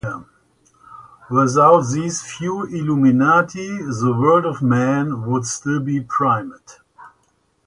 Without these few illuminati, the world of man would still be primate.